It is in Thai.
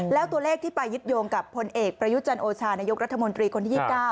แล้วตัวเลขที่ไปยึดโยงกับพลเอกประยุจันโอชานายกรัฐมนตรีคนที่๒๙